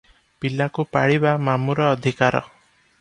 ପିଲାକୁ ପାଳିବା ମାମୁଁର ଅଧିକାର ।